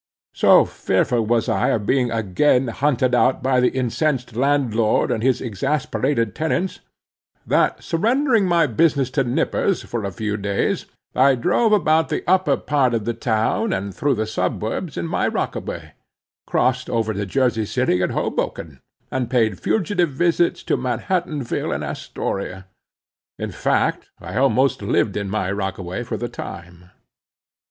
So fearful was I of being again hunted out by the incensed landlord and his exasperated tenants, that, surrendering my business to Nippers, for a few days I drove about the upper part of the town and through the suburbs, in my rockaway; crossed over to Jersey City and Hoboken, and paid fugitive visits to Manhattanville and Astoria. In fact I almost lived in my rockaway for the time.